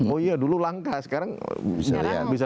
oh iya dulu langka sekarang bisa